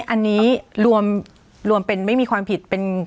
อันนี้รวมเป็นไม่มีความผิด